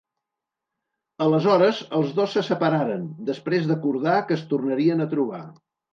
Aleshores els dos se separaren, després d'acordar que es tornarien a trobar.